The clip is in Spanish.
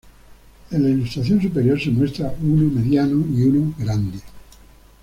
En la ilustración superior se muestra uno mediano y uno grande.